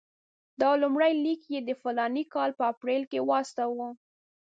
دا لومړی لیک یې د فلاني کال په اپرېل کې واستاوه.